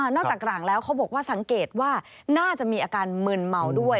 จากหลังแล้วเขาบอกว่าสังเกตว่าน่าจะมีอาการมึนเมาด้วย